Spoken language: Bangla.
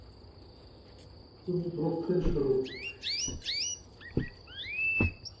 তুমি ব্রহ্মের স্বরূপ।